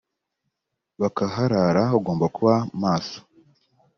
bakaharara ugomba kuba maso